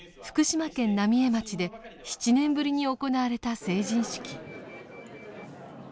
福島県浪江町で７年ぶりに行われた成人式。